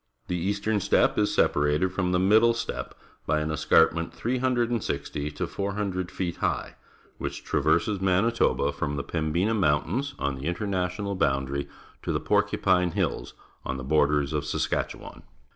The e as tern steppe is sepa rated from the middle ste ppe by an escnrpment. 360 to 400 feet high, which traverses jVIanitoba from the Pembina Mountains on the international boundary to the Porcupine Hills on the borders of Saskatchewan.